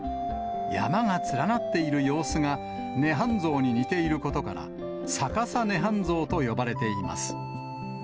山が連なっている様子が涅槃像に似ていることから、逆さ涅槃像と呼ばれています。